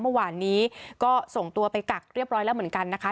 เมื่อวานนี้ก็ส่งตัวไปกักเรียบร้อยแล้วเหมือนกันนะคะ